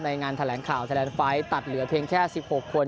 ในงานแทลังข่าวแทลันไฟท์ตัดเหลือเพียงแค่สิบหกคน